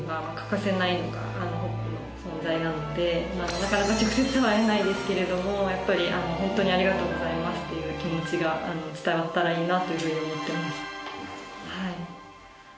なかなか直接は会えないですけれどもやっぱりホントにありがとうございますという気持ちが伝わったらいいなというふうに思ってます。